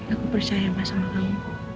aku percaya sama kamu